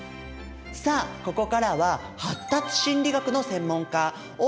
さあここからは発達心理学の専門家大日向雅美